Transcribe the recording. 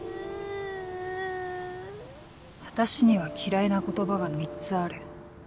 私には嫌いな言葉が３つある。